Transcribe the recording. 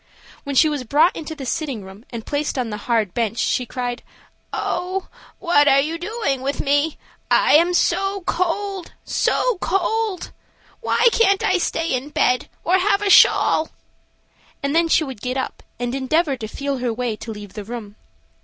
When she was brought into the sitting room and placed on the hard bench, she cried: "Oh, what are you doing with me? I am cold, so cold. Why can't I stay in bed or have a shawl?" and then she would get up and endeavor to feel her way to leave the room.